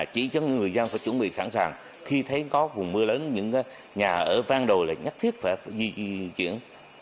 chỉ cho những người dân phải chuẩn bị sẵn sàng khi thấy có vùng mưa lớn những nhà ở vang đồi là nhất thiết phải di chuyển